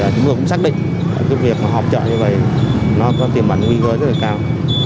chúng tôi cũng xác định việc họp chợ như vầy nó có tiềm bản nguy cơ rất là cao